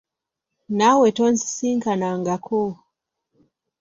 Naawe tonsisinkanangako.